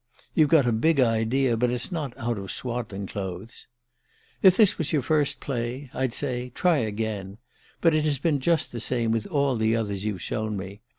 You've got a big idea, but it's not out of swaddling clothes. "If this was your first play I'd say: Try again. But it has been just the same with all the others you've shown me.